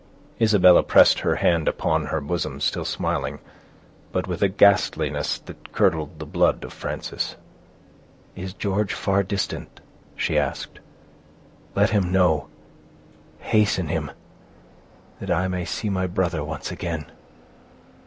Isabella pressed her hand upon her bosom, still smiling, but with a ghastliness that curdled the blood of Frances. "Is George far distant?" she asked. "Let him know—hasten him, that I may see my brother once again."